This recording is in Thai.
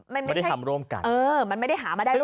มันไม่ได้หามาได้ร่วมกัน